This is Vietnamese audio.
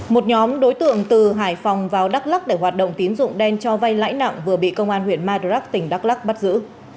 một nhóm đối tượng từ hải phòng vào đắk lắc để hoạt động tín dụng đen cho vay lãi nặng vừa bị công an huyện madrak tỉnh đắk lắc bắt giữ